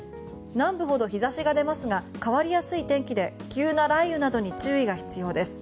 南部ほど日差しが出ますが変わりやすい天気で急な雷雨などに注意が必要です。